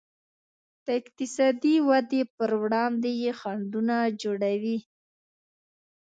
د اقتصادي ودې پر وړاندې یې خنډونه جوړوي.